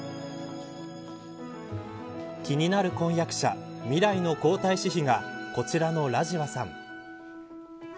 気になる婚約者未来の皇太子妃がこちらのラジワさん。